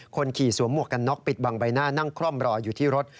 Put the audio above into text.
คนขี่สวมหมวกกันน็อกปิดบังใบหน้านั่งคล่อมรออยู่ที่รถ